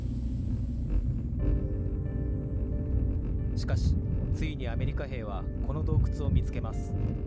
しかし、ついにアメリカ兵はこの洞窟を見つけます。